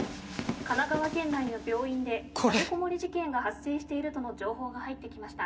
神奈川県内の病院で立てこもり事件が発生しているとの情報が入ってきました。